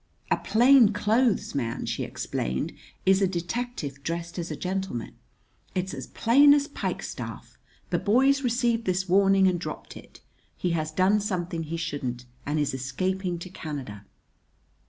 "A plain clothes man," she explained, "is a detective dressed as a gentleman. It's as plain as pikestaff! The boy's received this warning and dropped it. He has done something he shouldn't and is escaping to Canada!"